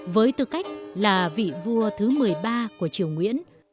với tư cách là vị vua thứ một mươi ba của triều nguyễn